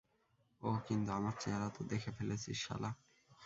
ওহ, কিন্তু আমার চেহারা তো দেখে ফেলেছিস, শালা।